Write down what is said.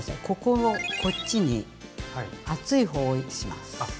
ここをこっちに熱い方をします。